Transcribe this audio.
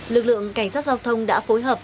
lực lượng cảnh sát giao thông đã phối hợp